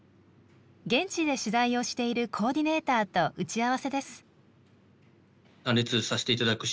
現地で取材をしているコーディネーターと打ち合わせです。